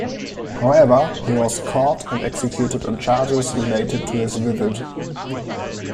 However, he was caught and executed on charges related to his visit.